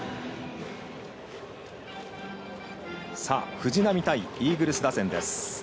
藤浪対イーグルス打線です。